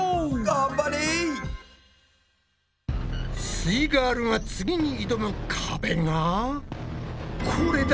すイガールが次に挑む壁がこれだ！